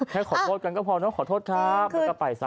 แค่ขอโทษกันก็พอเนาะขอโทษครับแล้วก็ไปซะ